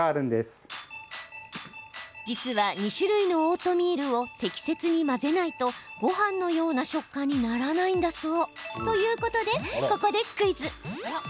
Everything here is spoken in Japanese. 実は２種類のオートミールを適切に混ぜないとごはんのような食感にならないんだそう。ということでここでクイズ！